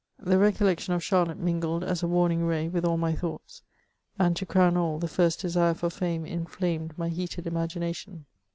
The recollection of Charlotte mingled as a warning ray with all my thoughts, and, to crown all, the first desire for fame in flamed my heated imagination.